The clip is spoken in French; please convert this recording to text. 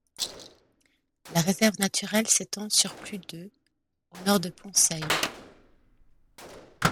La réserve naturelle s'étend sur plus de au nord de Pont-Seille.